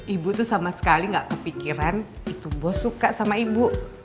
ibu tuh sama sekali gak kepikiran itu bos suka sama ibu